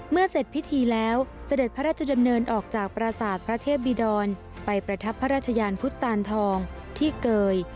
เสร็จพิธีแล้วเสด็จพระราชดำเนินออกจากปราศาสตร์พระเทพบิดรไปประทับพระราชยานพุทธตานทองที่เกย